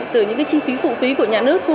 từ những cái chi phí phụ phí của nhà nước thu